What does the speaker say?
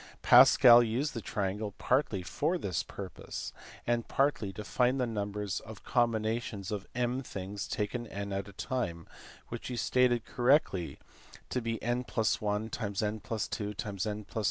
Pascal used the triangle partly for this purpose and partly to find the numbers of combinations of . ra things taken n at a time, which he stated (correctly) to be (n + 1) (n + 2) (n + 3)